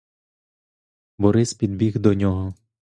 Борис підбіг до нього.